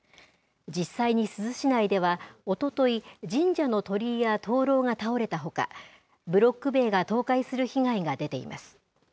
実際に珠洲市内では、おととい、神社の鳥居や灯籠が倒れたほか、ブロック塀が倒壊する被害が出ています。